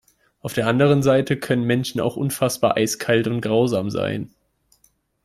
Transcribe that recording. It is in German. Auf der anderen Seite können Menschen auch unfassbar eiskalt und grausam sein.